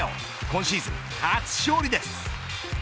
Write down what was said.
今シーズン初勝利です。